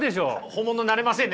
本物になれませんね